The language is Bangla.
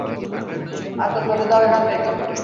আচ্ছা, চলে যাও এখান থেকে!